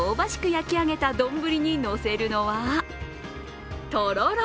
焼き上げた丼にのせるのはとろろ。